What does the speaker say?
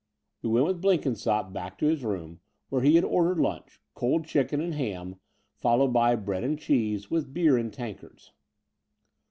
We went with Blenkinsopp back to his room, where he had ordered lunch — cold chicken and ham, followed by bread and cheese, with beer in tankards.